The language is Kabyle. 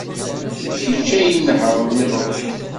D kečč ay inehṛen iḍelli.